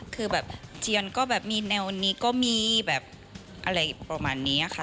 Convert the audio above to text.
คือแบบเจียนก็แบบมีแนวนี้ก็มีแบบอะไรประมาณนี้ค่ะ